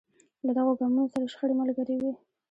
له دغو ګامونو سره شخړې ملګرې وې.